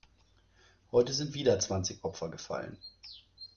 Heute sind wieder zwanzig Opfer gefallen.